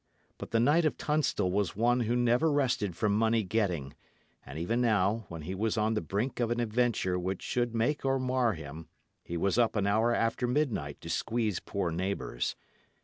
But the Knight of Tunstall was one who never rested from money getting; and even now, when he was on the brink of an adventure which should make or mar him, he was up an hour after midnight to squeeze poor neighbours.